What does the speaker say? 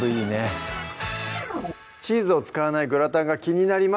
チーズを使わないグラタンが気になります